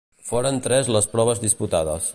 Foren tres les proves disputades.